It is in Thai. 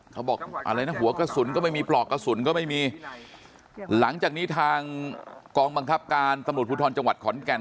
เขาบอกอะไรนะหัวกระสุนก็ไม่มีปลอกกระสุนก็ไม่มีหลังจากนี้ทางกองบังคับการตำรวจภูทรจังหวัดขอนแก่น